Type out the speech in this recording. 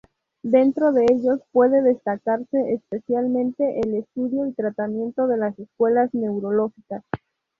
Dentro de ellos puede destacarse especialmente el estudio y tratamiento de las secuelas neurológicas.